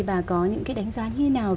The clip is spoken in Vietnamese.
và có những đánh giá như thế nào